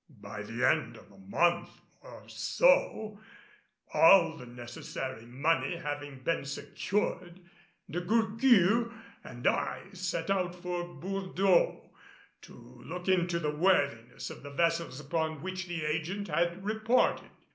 By the end of a month or so, all the necessary money having been secured, De Gourgues and I set out for Bourdeaux to look into the worthiness of the vessels upon which the agent had reported.